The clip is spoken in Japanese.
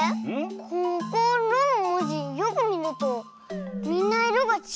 「ココロ」のもじよくみるとみんないろがちがうよ。